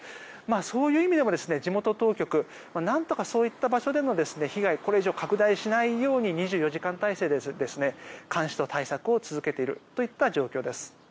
そういう意味でも地元当局何とかそういった場所での被害、これ以上拡大しないように２４時間態勢で監視と対策を続けているといった状況です。